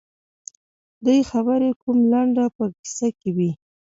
دوی خبري کوم لنډه به کیسه وي